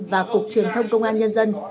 và cục truyền thông công an nhân dân